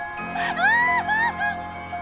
ああ！